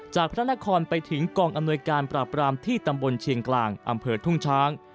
พระนครไปถึงกองอำนวยการปราบรามที่ตำบลเชียงกลางอำเภอทุ่งช้าง